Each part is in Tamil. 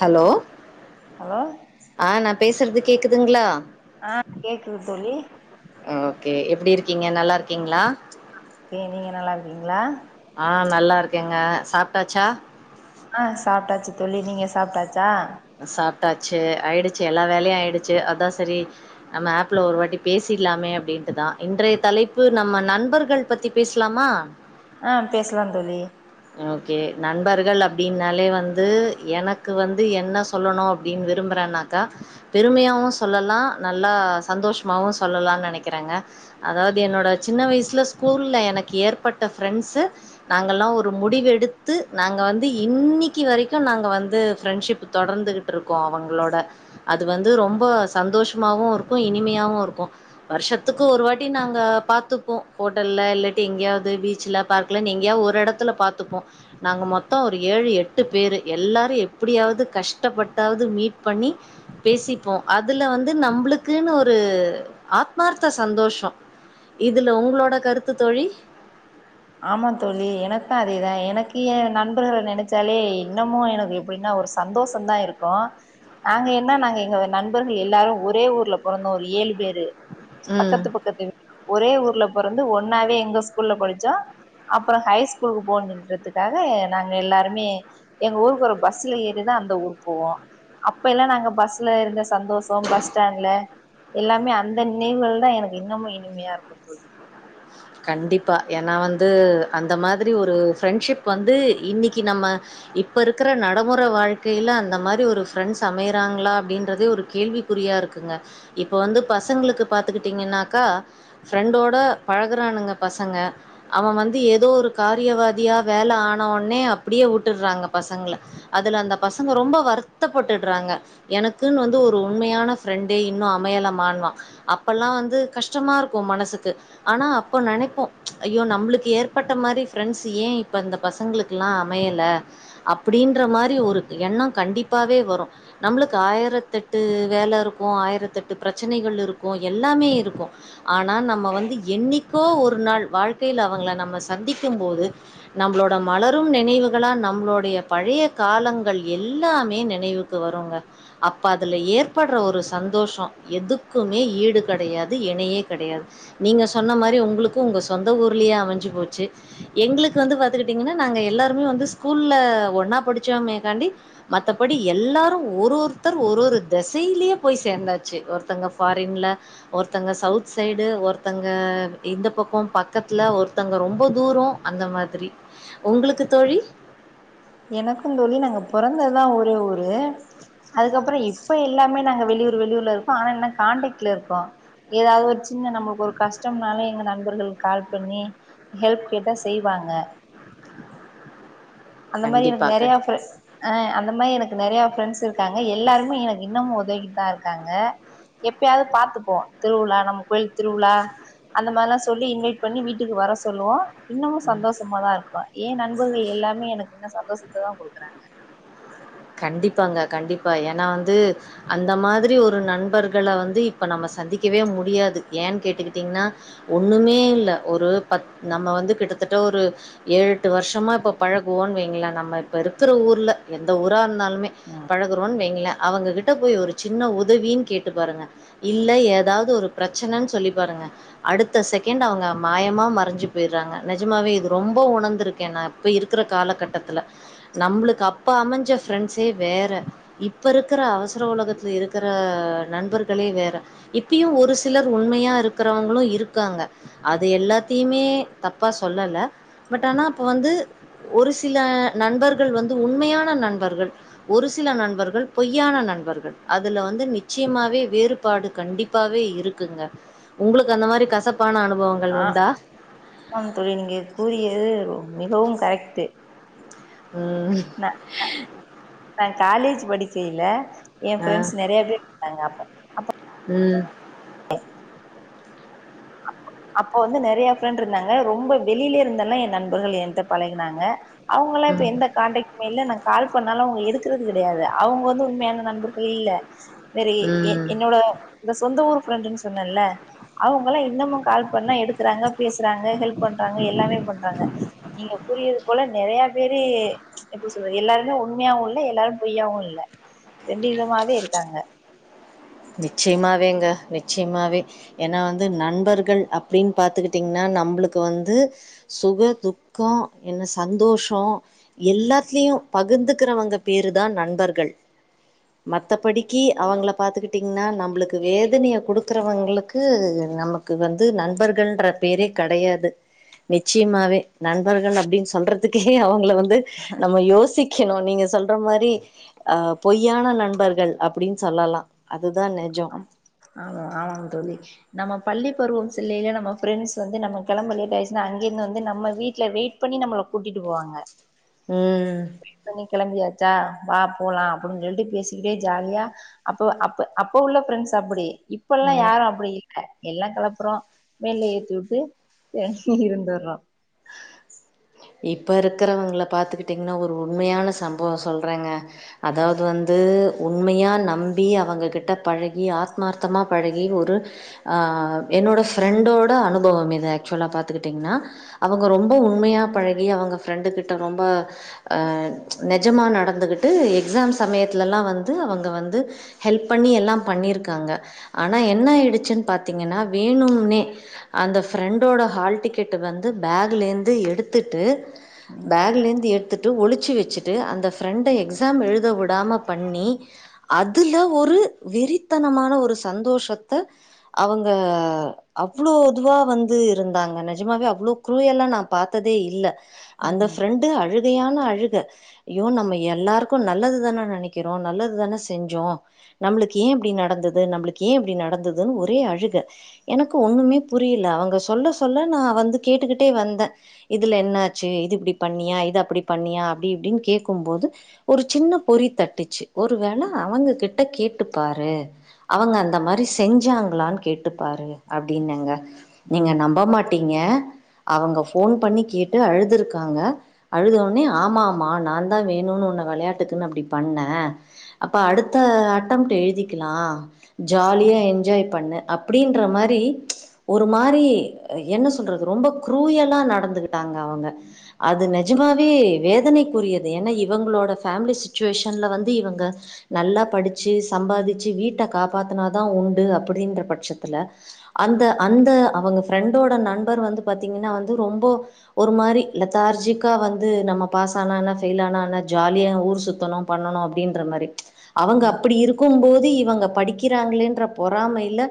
ஹலோ ஹலோ ஆ நா பேசுறது கேக்குதுங்ளா ஆ கேக்குது தோழி ஓகே எப்டி இருக்கீங்க நல்லா இருக்கீங்ளா கே நீங்க நல்லா இருக்கீங்ளா ஆ நல்லா இருக்கேங்க சாப்ட்டாச்சா ஆ சாப்ட்டாச்சு தோழி நீங்க சாப்ட்டாச்சா சாப்ட்டாச்சு ஆயிடுச்சு எல்லா வேலையு ஆயிடுச்சு அதா சரி நம்ம ஆப்ல ஒரு வாட்டி பேசிட்லாமே அப்படின்ட்டுதா இன்றைய தலைப்பு நம்ம நண்பர்கள் பத்தி பேசலாமா ஆ பேசலாம் தோழி ஓகே நண்பர்கள் அப்டினாலே வந்து எனக்கு வந்து என்ன சொ சொல்லணு அப்படின் விரும்புறனாக்கா பெருமையாகவு சொல்லலா நல்லா சந்தோஷமாவு சொல்லலான் நெனைக்கிறேங்க அதாவது என்னோட சின்ன வயசுல ஸ்கூல்ல எனக்கு ஏற்பட்ட ப்ரெண்ட்ஸ்சு நாங்கல்லா ஒரு முடிவு எடுத்து நாங்க வந்து இன்னிக்கு வரைக்கு நாங்க வந்து ப்ரண்ட்ஷிப் தொடர்ந்துகிட் ட்ருக்கு அவங்களோட அது வந்து ரொம்ப சந்தோஷமாவு இருக்கு இனிமையாவு இருக்கு வருஷத்துக்கு ஒரு வாட்டி நாங்க பாத்துப்போ ஹோட்டல்ல இல்லாட்டி எங்கயாவது பீச்ல பார்க்கல எங்கயாவது ஒரு எடத்துல பாத்துப்போ நாங்க மொத்த ஒரு ஏழு எட்டு பேரு எல்லாரு எப்டியாவது கஷ்டப்பட்டாவது மீட் பண்ணி பேசிப்போ அதுல வந்து நம்ளுக்குன்னு ஒரு ஆத்மார்த்த சந்தோஷ இதுல உங்களோட கருத்து தோழி ஆமா தோழி எனக்கு அதேதா எனக்கு ஏ நண்பர்கள நெனைச்சாலே இன்னமு எனக்கு எப்டின்னா ஒருஸ் சந்தோஷம்தா இருக்கு நாங்க என்ன நாங்க எங்க நண்பர்கள் எல்லாரு ஒரே ஊர்ல பொறந்தோ ஒரு ஏழு பேரு ம். பக்கத்து பக்கத்து ஒரே ஊர்ல பொறந்து ஒன்னாவே எங்க ஸ்கூல்ல படிச்சோ அப்பற ஹை ஸ்கூலுக்கு போன்னுறதுக்காக நாங்க எல்லாருமே எங்க ஊருக்கு ஒரு பஸ்ல ஏறிதா அந்த ஊர் போவோ அப்ப எல்லா நாங்க பஸ்ல இருந்த சந்தோஷ பஸ் ஸ்டாண்ட்ல எல்லாமே அந்த நினைவுகள் தா எனக்கு இன்னமு இனிமையா இருக்கு தோழி கண்டிப்பாக ஏன்னா வந்து அந்த மாதிரி ஒரு ஃப்ரெண்ட்ஷிப் வந்து இன்னிக்கு நம்ம இப்ப இருக்கிற நடைமொற வாழ்க்கையில அந்த மாரி ஒரு ஃப்ரெண்ட்ஸ் அமையறாங்களா அப்டின்றதே ஒரு கேள்வி குறியா இருக்குங்க இப்ப வந்து பசங்களுக்கு பாத்துக்கிட்டீங்கன்னாக்கா ஃப்ரெண்டோட பழக இருக்குறானுங்க பசங்க அவ வந்து ஏதோ ஒரு காரியவாதியா வேல ஆனவொனே அப்டியே விட்டுறாங்க பசங்கள அதுல அந்த பசங்க ரொம்ப வருத்தப்பட்டுறாங்க எனக்குன்னு வந்து ஒரு உண்மையான ஃப்ரெண்டே இன்னு அமையலமான்வா அப்பெல்லா வந்து கஷ்டமா இருக்கு மனசுக்கு ஆனா அப்போ நெனைப்போ ஐயோ நம்மளுக்கு ஏற்பட்ட மாரி ஃப்ரெண்ட்ஸ் ஏ இப்போ இந்த பசங்களுக்கு லா அமையல அப்டின்ற மாரி ஒரு எண்ண கண்டிப்பாவே வரு நம்மளுக்கு ஆயிரத்தட்டு வேல இருக்கு ஆயிரத்தட்டு பிரச்சனைகள் இருக்கு எல்லாமே இருக்கு ஆனா நம்ம வந்து என்னிக்கோ ஒரு நாள் வாழ்க்கையில அவங்கள நம்ம சந்திக்கும்போது நம்மளோட மலரு நினைவுகளா நம்மளுடைய பழைய காலங்கள் எல்லாமே நினைவுகள் க்கு வருங்க அப்ப அதுல ஏற்படுற ஒரு சந்தோஷ எதுக்குமே ஈடு கெடையாது இணையே கெடையாது நீங்கள் சொன்ன மாரி உங்களுக்கு உங்க சொந்த ஊர்லயே அமைஞ்சு போச்சு எங்களுக்கு வந்து பாத்துக்கிட்டீங்கன்னா நாங்க எல்லாருமே வந்து ஸ்கூல்ல ஒன்னா படிச்சோமேக்காண்டி மத்தபடி எல்லாரு ஒரு ஒருத்தர் ஒரு ஒரு திசையிலேயே போய் சேந்தாச்சு ஒருத்தங்க ஃபாரின்ல ஒருத்தங்க சவுத் சைடு ஒருத் அ இந்த பக்கோ பக்கத்துல ஒருத்தங்க ரொம்ப தூரோ அந்த மாரி ஒங்களுக்கு தோழி எனக்கு‌ தோழி நாங்க பொறந்ததுலா ஒரே ஊரு அதுக்கப்றோ இப்ப எல்லாமே நாங்க வெளியூர் வெளியூர்ல இருக்கோ ஆனா என்ன கான்டெக்ட்ல இருக்கோ எதாவது ஒரு சின்ன நம்மக்கு ஒரு கஷ்டம்னாலே எங்க நண்பர்கள் கால் பண்ணி ஹெல்ப் கேட்டா செய்வாங்க அந்த மாரி எனக்கு கண்டிப்பா கண் நெறையா ஃப்ர அ அந்த மாரி எனக்கு நெறையா ஃப்ரெண்டஸ் இரு க்காங்க எல்லாருமே எனக்கு இன்னமு உதவிட்டு தா இருக்காங்க எப்பயாவது பாத்துப்போ திருவிழா நம்ம கோயில் திருவிழா அந்த மாரிலா சொல்லி இன்வைட் பண்ணி வீட்டுக்கு வர சொல்லுவோ இன்னமு சந்தோஷமாதா இருக்குறோ எ நண்பர்கள் எல்லாமே எனக்கு இன்னு சந்தோஷத்த தா கொடுக்குறாங்க கண்டிப்பாங்க கண்டிப்பா ஏனா வந்து அந்த மாதிரி ஒரு நண்பர்கள வந்து இப்ப நம்ம சந்திக்கவே முடியாது ஏன்னு கேட்டுக்கிட்டீங்கன்னா ஒண்ணுமே இல்ல ஒரு பத் நம்ம வந்து கிட்டத்தட்ட ஒரு ஏழெட்டு வருஷமா இப்ப பழகுவோன்னு வைங்கள நம்ம இப்ப இருக்குற ஊர்ல எந்த ஊர் ரா இருந்தாலுமே பழகுறோன்னு வைங்கள அவுங்ககிட்ட போய் ஒரு சின்ன உதவின்னு கேட்டு பாருங்க இல்ல ஏதாவது ஒரு பிரச்சனன்னு சொல்லி பாருங்க அடுத்த செகண்ட்டு அவுங்க மாயமா மறைஞ்சு போயடுறாங்க நஜமாவே இது ரொம்ப உணர்ந்திருக்கே நான் இப்ப இருக்கிற காலகட்டத்துல நம்பளுக்கு அப்ப அமைஞ்ச ஃப்ரெண்ட்ஸே வேற இப்போ இருக்கிற அவசர உலகத்தில இருக்கற நண்பர்களே வேற இப்பயு ஒரு சிலர் உண்மையா இருக்கிறவங்களு இருக்காங்க அது எல்லாத்தையுமே தப்பா சொல்லல பட் ஆனா அப்ப வந்து ஒரு சில நண்பர்கள் வந்து உண்மையான நண் பர்கள் ஒரு சில நண்பர்கள் பொய்யான நண்பர்கள் அதுல வந்து நிச்சயமாவே வேறு பாடு கண்டிப்பாவே இருக்குங்க உங்களுக்கு அந்த மாரி கசப்பான அனுபவங்கள் ஆ உண்டா ஆமாங் தோழி நீங்க கூறிய மிகவு கரெக்ட்டு ம் ந ந நா காலேஜ் படிக்கையில என ஆ ஃப்ரெண்ட்ஸ் நறைய பேர் இருந்தாங்க அப்ப ம் அப்போ வந்து நறைய ஃப்ரெண்ட் இருந்தாங்க ரொம்ப வெளியில இருந்தெல்லா என் நண்பர்கள் என்ட்ட பழகுனாங்க அவுங்கலா இப்ப ம் எந்த கான்டெக்ட் மே இல்ல நா கால் பண்ணாலு அவுங்க எடுக்கறது கடையாது அவுங்க வந்து உண்மையான நண்பர்கள் இல்ல செரி எ ம் என்னோட இந்த சொந்த ஊர் ஃப்ரெண்டுன்னு சொன்னேல்ல அவுங்கல்லா இன்னமு கால் பண்ணா எடுக்குறாங்க பேசுறாங்க ஹெல்ப் பண்றாங்க எல்லாமே பண்றாங்க நீங்க கூறியது போல நெறையா பேரு எப்டி சொல்றது எல்லாருமே உண்மையாவு இல்ல எல்லாரு பொய்யாவு இல்ல ரெண்டு விதமாவே இருக்காங்க நிச்சயமாவேங்க நிச்சயமாவே ஏன்னா வந்து நண்பர்கள் அப்டின்னு பாத்துக்கிட்டீங்ன்னா நம்பளுக்கு வந்து சுக துக்கோ என்ன சந்தோஷோ எல்லாத்துலயு பகுந்துக்கிறவங்க பேரு தா நண்பர்கள் மத்தபடிக்கு அவங்கள பாத்துக்கிட் டீங்னா நம்பளுக்கு வேதனைய குடுக்குறவங்களுக்கு நமக்கு வந்து நண்பர்கள்ன்ற பேரே கடையாது நிச்சயமாவே நண்பர்கள் அப்டின்னு சொல்றதுக்கே அவுங்கள வந்து நம்ம யோசிக்கணு நீங்க சொல்ற மாரி அ பொய்யான நண்பர்கள் அப்டின்னு சொல்லலா அதுதா நெஜோ ஆ ஆமாங்க தோழி நம்ம பள்ளி பருவம் செல்லையில நம்ம ஃப்ரெண்ட்ஸ் வந்து நம்ம கெளம்ப லேட் அயிடுச்சுனா அங்கேருந்து வந்து நம்ம வீட்ல வெயிட் பண்ணி நம்பள கூட்டிட்டு போவாங்க ம் வெய்ட் பண்ணி கெளம்பியாச்சா வா போலா அப்டின் சொல்லிட்டு பேசிக்கிட்டே ஜாலியா அப்ப அப்ப அப்ப உள்ள ஃப்ரெண்ட்ஸ் அப்டி இப்பல்லா ம் யாரு அப்டி எல்லா கெளப்புறோ வேன்ல ஏத்தி வுட்டு இருந்துர்றோ இப்ப இருக்றவங்கள பாத்துக்கிட்டிங்கனா ஒரு உண்மயான சம்பவோ சொல்றேங்க அதாவ்து வந்து உண்மயா நம்பி அவங்ககிட்ட பழகி ஆத்மார்த்தமா பழகி ஒரு ஆ என்னோட ஃப்ரெண்டோட அனுபவம் இது ஆக்சுவலா பாத்துக்கிட்டீங்கன்னா அவங்க ரொம்ப உண்மயா பழகி அவங்க ஃப்ரெண்டு கிட்ட ரொம்ப ஆ நெஜமா நடந்துகிட்டு எக்ஸாம் சமயத்துலல்லா வந்து அவங்க வந்து ஹெல்ப் பண்ணி எல்லா பண்ணிருக்காங்க ஆனா என்ன ஆய்டுச்சுன் பாத்தீங்கன்னா வேணும்னே அந்த ஃப்ரெண்டோட ஹால் டிக்கெட்டு வந்து பேக்லேந்து எடுத்துட்டு ம் பேக்லேந்து எடுத்துட்டு ஒளிச்சு வச்சுட்டு அந்த ஃப்ரெண்ட எக்ஸாம் எழுத விடாம பண்ணி அதுல ஒரு வெறித்தனமான ஒரு சந்தோஷத்த அவங்க அவ்ளோதுவா வந்து இருந்தாங்க நெஜமாவே அவ்ளோ க்ருய்யலா நா பா த்ததே இல்ல அந்த ம் ஃப்ரெண்டு அழுகயான அழுக அய்யோ நம்ம எல்லாருக்கு நல்லது தானே நெனைக்கிறோ நல்லது தானே செஞ்சோ நம்ளுக்கு ஏ இப்டி நடந்தது நம்ளுக்கு ஏ இப்டி நடந்ததுன்னு ஒரே அழுக எனக்கு ஒண்ணுமே புரில அவங்க சொல்ல சொல்ல நா வந்து கேட்டுக்கிட்டே வந்தே இதுல என்னாச்சு இது இப்டி பண்ணியா இது அப்டி பண்ணியா அப்டி இப்டின் கேக்கும்போது ஒரு சின்ன பொறி தட்டுச்சு ஒரு வேள அவங்க கிட்ட கேட்டு பாரு அவங்க அந்த மாரி செஞ்சாங்ளான் கேட்டுப்பாரு அப்டின்னேங்க நீங்க நம்ப மாட்டீங்க அவங்க ஃபோன் பண்ணி கேட்டு அழுதுருக்காங்க அழுதோனே ஆமாமா நா தா வேணுன்னு ஒன்ன வெளயாட்டுக்குன் அப்டி பண்ணே அப்ப அடுத்த அட்டம்ட்டு எழுதிக்லா ஜாலியா என்ஜாய் பண்ணு அப்டின்ற மாரி ஒரு மாரி என்ன சொல்றது ரொம்ப க்ருயலா நடந்துகி ட்டாங்க அவங்க அது நெஜமாவே வேதனைக்குரியது ஏனா இவங்களோட ஃபேம்லி சுச்சுவேஷன்ல வந்து இவங்க நல்லா படிச்சு சம்பாதிச்சு வீட்ட காப்பாத்துனாதா உண்டு அப்டின்ற பட்சத்துல அந்த அந்த அவங்க ஃப்ரெண்டோட நண்பர் வந்து பாத்தீங்கன்னா வந்து ரொம்போ ஒரு மாரி லதார்ஜிக்கா வந்து நம்ம பாஸ்ஸானா என்ன ஃபெயில்லானா என்ன ஜாலியா ஊர் சுத்தணு பண்ணணு அப்டின்ற மாரி அவங்க ம் அப்டி இரு க்கும்போது இவங்க படிக்கிறாங்ளேன்ற பொறாமைல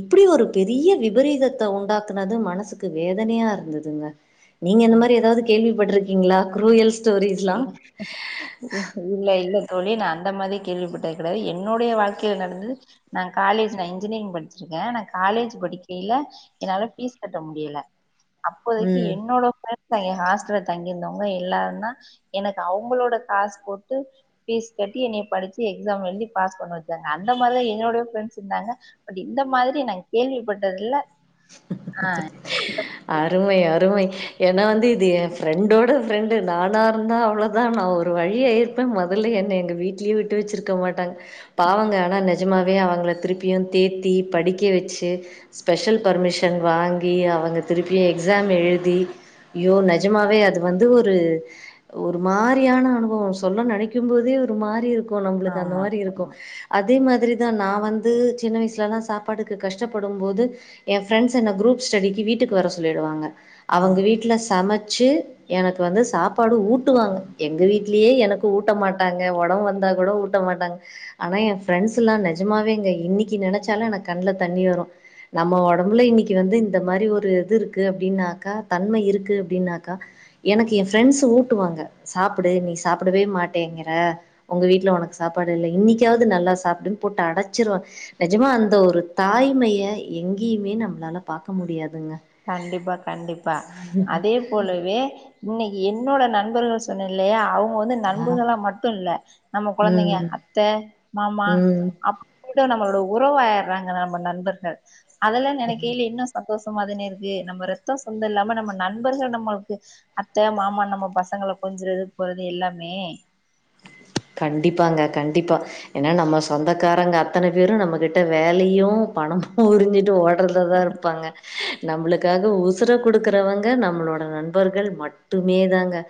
இப்டி ஒரு பெரிய விபரீதத்த உண்டாக்குனது மனசுக்கு வேதனயாருந்ததுங்க நீங்க இந்த ம் மாரி எதாவ்து கேள்விப்பட்ருக்கீங்ளா க்ரூயல்ஸ் இல்ல இல்ல இல்ல தோழி நா அந்த மாரி கேள்விப்பட்டது கெடயாது என்னுடைய வாழ்க்கைல நடந்தது நா காலேஜ் நா இன்ஜினியரிங் படிச்சிருக்கே நா காலேஜ் படிக்கைல என்னால ஃபீஸ் கட்ட முடியல அப்போதைக்கி ம் என்னோட ஃப்ரெண்ட்ஸ் எ ஹாஸ்டல்ல தங்கியிருந்தவங்க எல்லாரு தா எனக்கு அவுங்களோட காசு போட்டு ஃபீஸ் கட்டி என்னய படிச்சு எக்ஸாம் எழுதி பாஸ் பண்ண வச்சாங்க அந்த மாரிதா எங்களோட ஃப்ரெண்ட்ஸ் இந்தாங்க அப்படி இந்த மாதிரி நா கேள்விப்பட்டது இல்ல ஆ [inaudible] அருமை அருமை ஏனா வந்து இது எ ஃப்ரெண்டோட ஃப்ரெண்டு நானாருந்தா அவ்ளோ ஆமா ஒரு வழி ஆயிருப்பே முதல்ல என்ன எங்க வீட்லயு விட்டு வச்சிருக்க மாட்டாங்க பாவங்க ஆனா நிஜமாவே அவங்கள திருப்பியு தேத்தி படிக்க வச்சு ஸ்பெஷல் பர்மிஷன் வாங்கி அவுங்க திருப்பியு எக்ஸாம் எழுதி ஐயோ நெஜமாவே அது வந்து ஒரு ஒரு மாரியான அனுபவோ சொல்ல நினைக்கு போதே ஒரு மாரி இருக்கு நம்மளுக்கு அந்த ஆமா, மாதிரி இருக்கு ஆமா. அதே மாதிரிதா நா வந்து சின்ன வயசுலலா சாப்பாடுக்கு கஷ்டப்படுபோது என் ப்ரெண்ட்ஸ் என்ன குரூப் ஸ்டடிக்கு வீட்டுக்கு வர சொல்லிடுவாங்க அவங்க ம். வீட்டில சமைச்சு எனக்கு வந்து சாப்பாடு ஊட்டுவாங்க எங்க விட்டுலயே எனக்கு ஊட்ட மாட்டாங்க உடம்பு ஊட்ட மாட்டாங்க ஆனா என் பிரெண்ட்ஸ்ல்லா நெஜமாவேங்க இன்னைக்கு நினைச்சாலு எனக்கு கண்ல தண்ணி வரு நம்ம நம்லு இன்னைக்கு வந்து இந்த மாரி ஒரு இது இருக்கு அப்படின்னாக்கா தன்மை இருக்கு அப்படின்னாக்கா எனக்கு என் ப்ரண்ட்ஸ் ஊட்டுவாங்க சாப்புடு நீ சாப் சாப்டவே மாட்டேங்கிற உங்க வீட்டுல உனக்கு சாப்பாடு இல்ல இன்னிக்கு யாவது நல்லா சாப்பிடு போட்டு அடைச்சிருவன் நிஜமா அந்த ஒரு தாய்மையை எங்க ங்கேயுமே நம்மளால பார்க்க முடியாதுங்க கண்டிப்பா கண்டிப்பா அதே போலவே இன்னைக்கு என்னோட நண்பர்கள் சொன்னேல்லயா அவுங்க வந்து ஆ நண்புகளா மட்டு இல்ல நம்ம குழந்தைங்க ம் அத்தை மாமா ம் அப் நம்மளோட உறவ ஆயிடுறாங்க நம்ம நண்பர்கள் அதெல்லா ம். நினைக்கையில இன்னு சந்தோஷமா இருக்கு நம்ம ரத்தோ சொந்தோ இல்லாம நம்ம நண்பர்கள் நம்மளுக்கு அத்த மாமா நம்ம பசங்கள பொறுத்து இது போறது எல்லாமே கண்டிப்பாங்க கண்டிப்பா ஏன்னா நம்ம சொந்தக்காரங்க அத்தனை பேரு நம்மகிட்ட வேலையு பணமத்துக்கு உறிஞ்சுட்டு ஓட அதுல தான் இருப்பாங்க நம்மளுக்காக உசுர குடுக்குறவங்க நம்மளோட நண்பர்கள் மட்டுமே தாங்க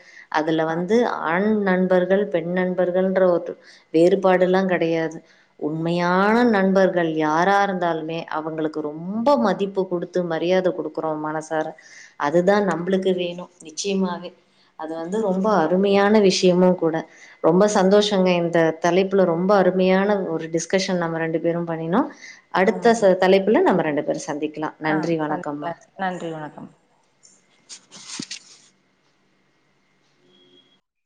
அதுல ஆ வந்து ஆண் நண்பர்கள் பெண் நண்பர்கள்ன்ற ஒரு வேறுபாடுல்லா கிடையாது உண்மையான நண்பர்கள் யாரா இருந்தாலுமே அவங்களுக்கு ரொம்ப மதிப்பு குடுத் மரியாத கொடுக்குறோ மனசார அதுதா நம்மளுக்கு வேணு நிச்சயமாவே அது வந்து ரொம்ப ஆமா அருமையான விஷயமு கூட ரொம்ப சந்தோஷங்க இந்த தலைப்புல ரொம்ப அருமையான ஒரு டிஸ்கஷன் நம்ம ரெண்டு பேரு பண்ணினோ ஆமாங்க அடுத்த தலைப்புல நம்ம ரெண்டு பேரு சந்திக்கலா ஆ நன்றி வணக்கம் சந்திக்கலா நன்றி வணக்கம்